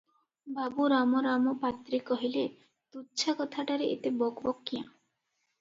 ବାବୁ ରାମରାମ ପାତ୍ରେ କହିଲେ- ତୁଚ୍ଛା କଥାଟାରେ ଏତେ ବକ୍ ବକ୍ କ୍ୟାଁ?